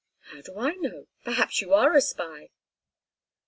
"How do I know? Perhaps you are a spy."